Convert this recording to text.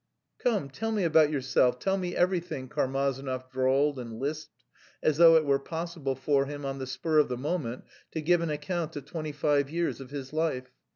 "Come, tell me about yourself, tell me everything," Karmazinov drawled and lisped, as though it were possible for him on the spur of the moment to give an account of twenty five years of his life.